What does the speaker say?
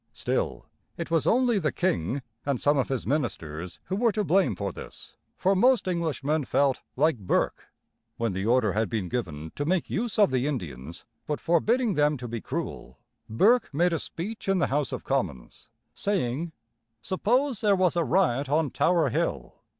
Still, it was only the king and some of his ministers who were to blame for this, for most Englishmen felt like Burke. When the order had been given to make use of the Indians, but forbidding them to be cruel, Burke made a speech in the House of Commons, saying: "Suppose there was a riot on Tower Hill.